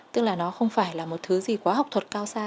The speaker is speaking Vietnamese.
tức là nó không phải là một thứ gì quá học thuật cao xa